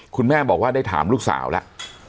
คุณแม่บอกว่าได้ถามลูกสาวแล้ว